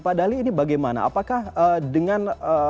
pak dali ini bagaimana apakah dengan